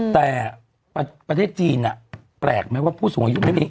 แต่ประเทศจีนแปลกไหมว่าผู้สูงอายุไม่มี